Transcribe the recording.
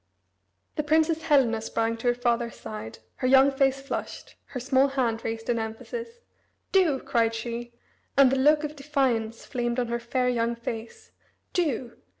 The Princess Helena sprang to her father's side, her young face flushed, her small hand raised in emphasis. "Do!" cried she, and the look of defiance flamed on her fair young face. "Do!